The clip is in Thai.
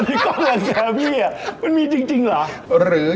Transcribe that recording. ที่กล้องลังแกรพี่มันมีจริงหรือ